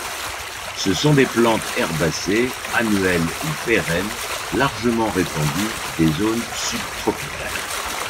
Ce sont des plantes herbacées, annuelles ou pérennes, largement répandues, des zones sub-tropicales.